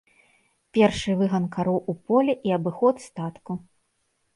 Першы выган кароў у поле і абыход статку.